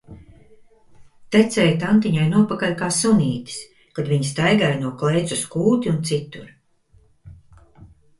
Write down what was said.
Tecēja tantiņai nopakaļ kā sunītis, kad viņa staigāja no klēts uz kūti un citur.